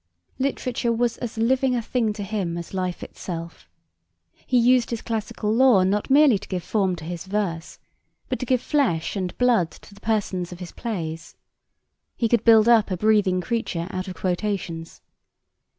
Literature was as living a thing to him as life itself. He used his classical lore not merely to give form to his verse, but to give flesh and blood to the persons of his plays. He could build up a breathing creature out of quotations.